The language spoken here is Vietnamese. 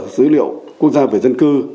dữ liệu quốc gia về dân cư